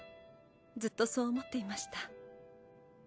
ずっとそう思っていました。